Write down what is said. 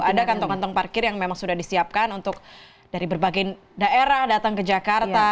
ada kantong kantong parkir yang memang sudah disiapkan untuk dari berbagai daerah datang ke jakarta